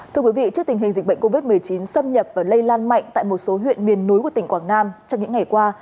thưa quý vị trước tình hình dịch bệnh covid một mươi chín xâm nhập và lây lan mạnh tại một số huyện miền núi của tỉnh quảng nam trong những ngày qua